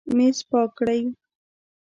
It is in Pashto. میز پاک کړئ